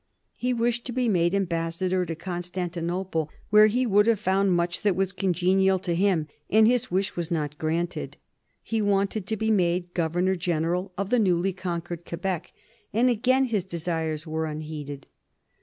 He wished to be made ambassador to Constantinople, where he would have found much that was congenial to him, and his wish was not granted. He wished to be made Governor General of the newly conquered Quebec, and again his desires were unheeded.